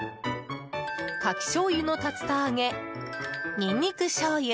カキしょうゆの竜田揚げニンニクしょうゆ